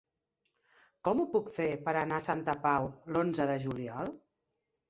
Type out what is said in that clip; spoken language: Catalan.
Com ho puc fer per anar a Santa Pau l'onze de juliol?